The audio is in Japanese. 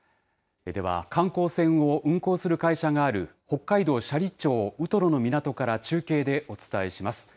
では、観光船を運航する会社がある、北海道斜里町ウトロの港から、中継でお伝えします。